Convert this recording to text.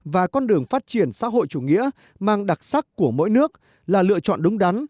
và con đường phát triển xã hội chủ nghĩa mang đặc sắc của mỗi nước là lựa chọn đúng đắn